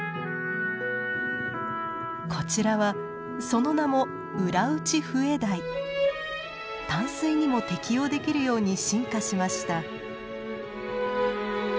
こちらはその名も淡水にも適応できるように進化しました。